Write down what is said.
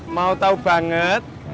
mau tau banget